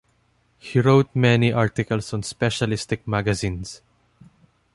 He wrote many articles on specialistic magazines.